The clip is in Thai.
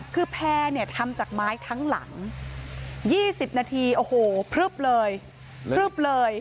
คือแพร่เนี่ยทำจากไม้ทั้งหลัง๒๐นาทีโอ้โหพลึบเลยพลึบเลย